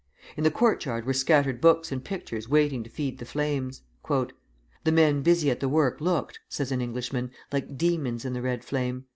In the courtyard were scattered books and pictures waiting to feed the flames. "The men busy at the work looked," says an Englishman, "like demons in the red flame.